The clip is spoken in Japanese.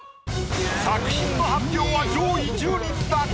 作品の発表は上位１０人だけ。